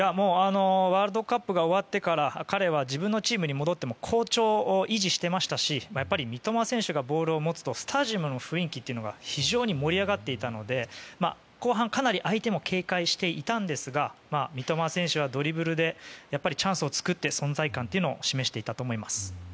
ワールドカップが終わってから彼は自分のチームに戻っても好調を維持していましたし三笘選手がボールを持つとスタジアムの雰囲気が非常に盛り上がっていたので後半かなり相手も警戒していたんですが三笘選手はドリブルでやっぱりチャンスを作って存在感を示していたと思います。